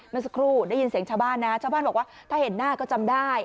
เมื่อสักครู่ได้ยินเสียงชาวบ้านนะชาวบ้านบอกว่าถ้าเห็นหน้าก็จำได้